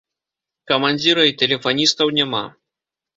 Камандзіра і тэлефаністаў няма.